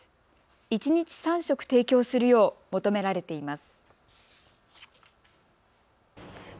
１日３食、提供するよう求められています。